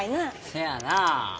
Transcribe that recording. せやなぁ。